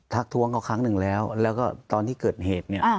ทักทวงก็ครั้งนึงแล้วแล้วก็ตอนที่เกิดเหตุ